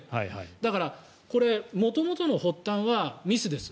だからこれ元々の発端はミスです。